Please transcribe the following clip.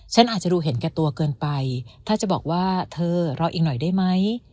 ฉันอาจจะดูเห็นแก่ตัวเกินไปถ้าจะบอกว่าเธอรออีกหน่อยได้ไหม